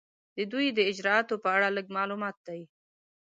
د دوی د اجرااتو په اړه لږ معلومات دي.